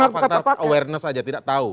atau karena kar faktor awareness saja tidak tahu